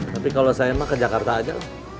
tapi kalau saya mah ke jakarta aja